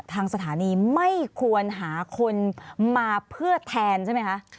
ทางสถานีไม่ควรหาคนมาเพื่อแทนใช่ไหมคะ